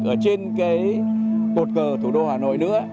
ở trên cái cột cờ thủ đô hà nội nữa